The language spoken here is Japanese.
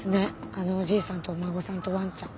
あのおじいさんとお孫さんとわんちゃん。